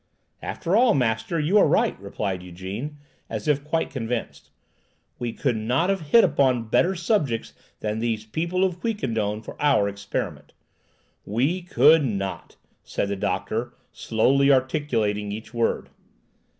"After all, master, you are right," replied Ygène, as if quite convinced. "We could not have hit upon better subjects than these people of Quiquendone for our experiment." "We—could—not," said the doctor, slowly articulating each word.